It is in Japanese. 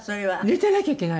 寝てなきゃいけない。